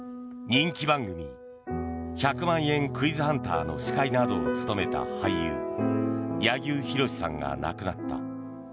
人気番組「１００万円クイズハンター」の司会などを務めた俳優柳生博さんが亡くなった。